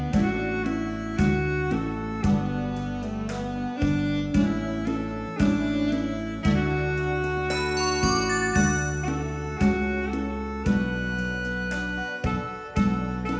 เตรียมโทรศาสตร์